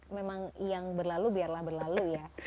memang yang berlalu biarlah berlalu ya